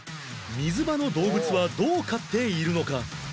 水場の動物はどう飼っているのか？